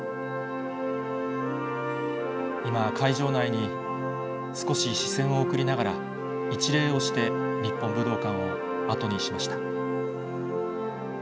今、会場内に少し視線を送りながら、一礼をして、日本武道館を後にしました。